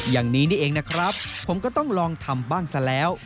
อย่างนี้นี่เองนะครับผมก็ต้องลองทำบ้างซะแล้ว